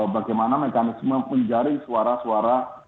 bagaimana mekanisme menjaring suara suara